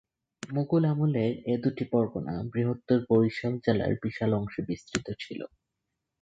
মুঘল আমলের এ-দুটি পরগনা বৃহত্তর বরিশাল জেলার বিশাল অংশে বিস্তৃত ছিল।